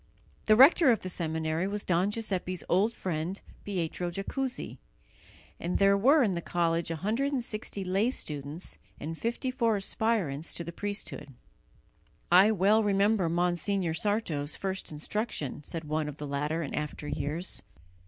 The rector of the seminary was Don Giuseppe's old friend Pietro Jacuzzi, and there were in the college 160 lay students and 54 aspirants to the priesthood. "I well remember Monsignor Sarto's first instruction," said one of the latter in after years.